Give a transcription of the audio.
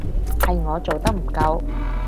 係我做得唔夠